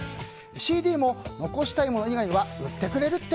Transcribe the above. ＣＤも残したいもの以外は売ってくれるって。